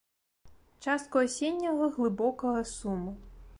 Частку асенняга глыбокага суму.